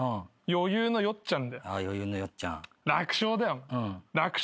余裕のよっちゃん。